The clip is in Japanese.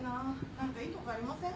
何かいいとこありません？